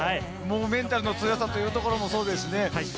メンタルの強さというところもそうですしね。